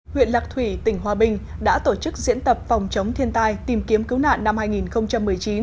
huyện lạc thủy tỉnh hòa bình đã tổ chức diễn tập phòng chống thiên tai tìm kiếm cứu nạn năm hai nghìn một mươi chín